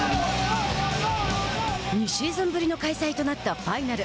２シーズンぶりの開催となったファイナル。